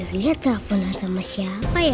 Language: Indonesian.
lihat kafulah sama siapa ya